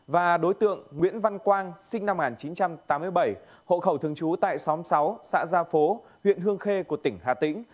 và đối tượng nguyễn văn quang sinh năm một nghìn chín trăm tám mươi bảy hộ khẩu thường trú tại xóm sáu xã gia phố huyện hương khê của tỉnh hà tĩnh